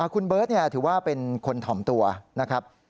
คุณเบิร์ตถือว่าเป็นคนถ่อมตัวนะครับ